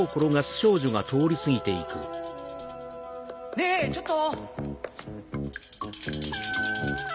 ねぇちょっと！